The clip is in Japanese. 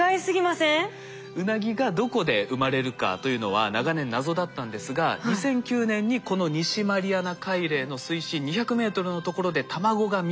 ウナギがどこで生まれるかというのは長年謎だったんですが２００９年にこの西マリアナ海嶺の水深２００ｍのところで卵が見つかって